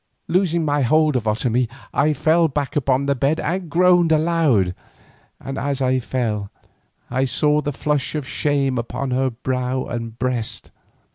Losing my hold of Otomie, I fell back upon the bed and groaned aloud, and as I fell I saw the flush of shame upon her brow and breast.